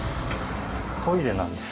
トイレなんです。